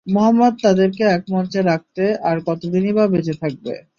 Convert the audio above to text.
মুহাম্মাদ তাদেরকে এক মঞ্চে রাখতে আর কতদিনই-বা বেঁচে থাকবে।